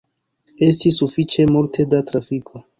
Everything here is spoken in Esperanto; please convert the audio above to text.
Estis sufiĉe multe da trafiko.